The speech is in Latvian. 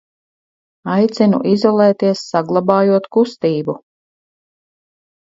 Aicinu izolēties, saglabājot k u s t ī b u !